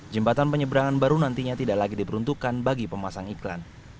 jembatan penyeberangan baru nantinya tidak lagi diperuntukkan bagi pemasang iklan